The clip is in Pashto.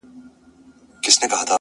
نو نن ـ